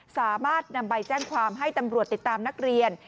สามารถนำใบแจ้งความให้ตำรวจติดตามนักเรียน